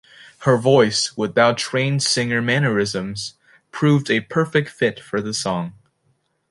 Her voice, without trained singer mannerisms, proved a perfect fit for the song.